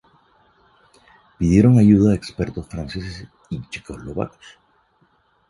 Pidieron ayuda a expertos franceses y checoslovacos.